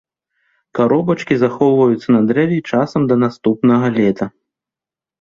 Каробачкі захоўваюцца на дрэве часам да наступнага лета.